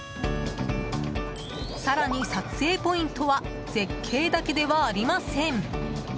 更に、撮影ポイントは絶景だけではありません。